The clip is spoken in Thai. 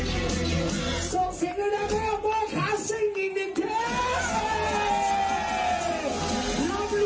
หลังจากนี้